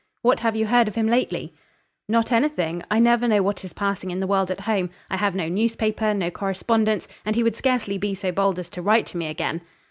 "What have you heard of him lately?" "Not anything. I never know what is passing in the world at home; I have no newspaper, no correspondence; and he would scarcely be so bold as to write to me again."